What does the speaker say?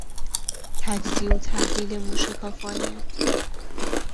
تجزیه و تحلیل موشکافانه